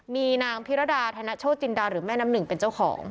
มีนางพิรดาธนโชจินดาหรือแม่น้ำหนึ่งเป็นเจ้าของ